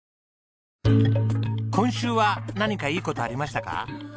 今週は何かいい事ありましたか？